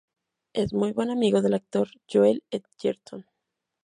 Es muy buen amigo del actor Joel Edgerton.